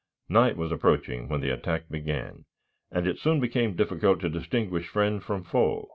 Night was approaching when the attack began, and it soon became difficult to distinguish friend from foe.